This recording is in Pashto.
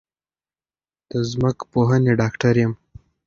د ځمکپوهنې ډاکټر یم